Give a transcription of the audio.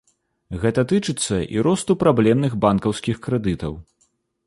Гэта тычыцца і росту праблемных банкаўскіх крэдытаў.